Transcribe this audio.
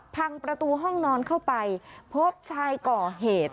พังประตูห้องนอนเข้าไปพบชายก่อเหตุ